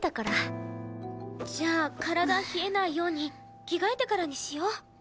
じゃあ体冷えないように着替えてからにしよう。